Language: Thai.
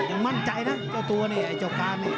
ยังมั่นใจนะเจ้าตัวนี่ไอ้เจ้าการนี่